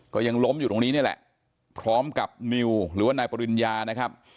ก็ยังล้มอยู่ตรงนี้นี่แหละพร้อมกับนิวหรือว่านายปริญญานะครับ